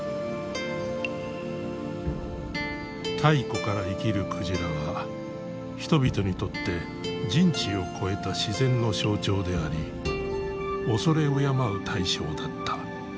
太古から生きる鯨は人々にとって人知を超えた自然の象徴であり畏れ敬う対象だった。